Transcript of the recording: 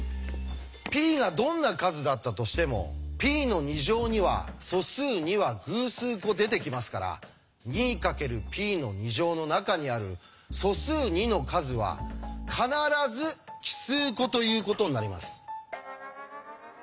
Ｐがどんな数だったとしてもＰの２乗には素数２は偶数個出てきますから２かけるＰの２乗の中にある素数２の数は必ず奇数個ということになります。